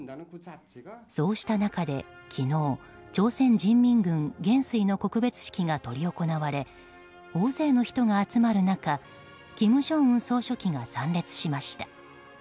そうした中で、昨日朝鮮人民軍元帥の告別式が執り行われ大勢の人が集まる中金正恩総書記が参列しました。